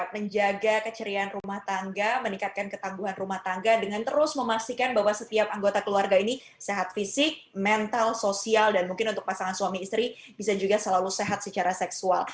menjaga keceriaan rumah tangga meningkatkan ketangguhan rumah tangga dengan terus memastikan bahwa setiap anggota keluarga ini sehat fisik mental sosial dan mungkin untuk pasangan suami istri bisa juga selalu sehat secara seksual